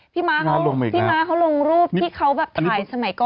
พี่ม้าเขาลงรูปที่เขาแบบถ่ายสมัยก่อน